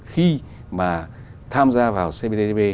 khi mà tham gia vào cptpp